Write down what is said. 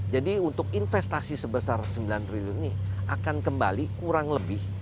jadi untuk investasi sebesar sembilan triliun ini akan kembali kurang lebih